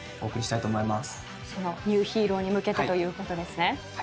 そのニューヒーローに向けてということですね。